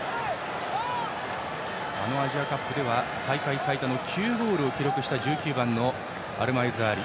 アジアカップでは大会最多の９ゴールを記録した１９番のアルマエズ・アリ。